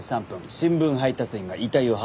新聞配達員が遺体を発見しています。